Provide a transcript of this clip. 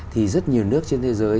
thì rất nhiều nước trên thế giới